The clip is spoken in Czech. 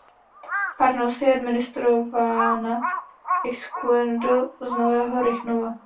Farnost je administrována ex currendo z Nového Rychnova.